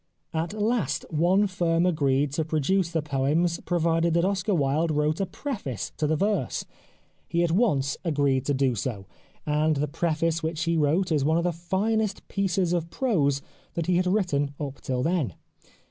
At last one firm agreed to produce the poems provided that Oscar Wilde wrote a preface to the verse. He at once agreed to do so, and the preface which he wrote is one of the finest pieces of prose that he had written up till then.